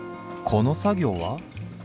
この作業は？